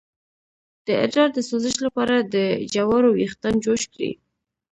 د ادرار د سوزش لپاره د جوارو ویښتان جوش کړئ